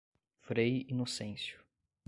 Frei Inocêncio